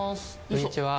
こんにちは。